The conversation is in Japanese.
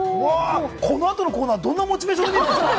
この後のコーナー、どんなモチベーションで行くんですか？